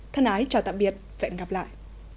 thân ái chào tạm biệt và hẹn gặp lại